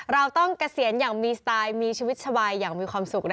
เราต้องเกษียณอย่างมีสไตล์มีชีวิตชวายอย่างมีความสุข